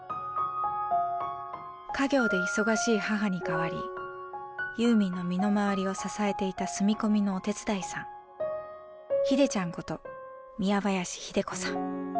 家業で忙しい母に代わりユーミンの身の周りを支えていた住み込みのお手伝いさん秀ちゃんこと宮林秀子さん。